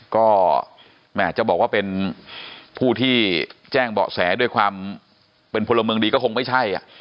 ก็แหมจะบอกว่าเป็นผู้ที่แจ้งเบาะแสด้วยความเป็นพลเมืองดีก็คงไม่ใช่